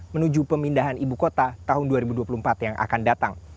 menuju pemindahan ibu kota tahun dua ribu dua puluh empat yang akan datang